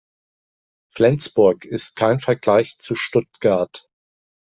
Flensburg ist kein Vergleich zu Stuttgart